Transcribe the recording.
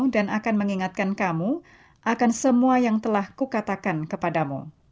dan akan mengingatkan kamu akan semua yang telah kukatakan kepadamu